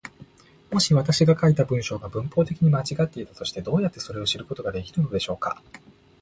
もし私が書いた文章が文法的に間違っていたとして、どうやってそれを知ることができるのでしょうか。